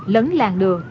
lấn làng đường